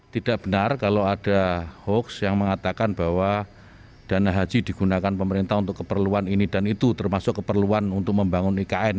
tidak benar kalau ada hoax yang mengatakan bahwa dana haji digunakan pemerintah untuk keperluan ini dan itu termasuk keperluan untuk membangun ikn